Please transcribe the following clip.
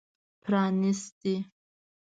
پرانیستي